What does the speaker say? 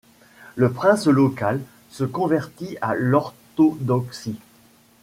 Le prince local se convertit à l'orthodoxie.